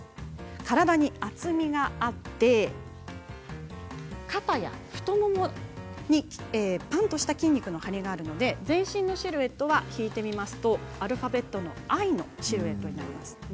体に厚みがあって、肩や太ももにパンとした筋肉の張りがあるので全身のシルエットは引いて見ますと、アルファベットのＩのシルエットになります。